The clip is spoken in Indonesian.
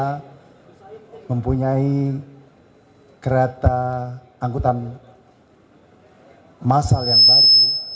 kita mempunyai kereta angkutan masal yang baru